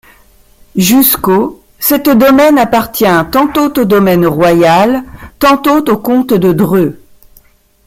Jusqu'au cette forêt appartient tantôt au domaine royal, tantôt aux comtes de Dreux.